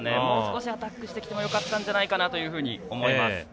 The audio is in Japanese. もう少しアタックしてきてもよかったんじゃないかなと思います。